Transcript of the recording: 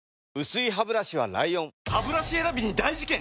薄いハブラシは ＬＩＯＮハブラシ選びに大事件！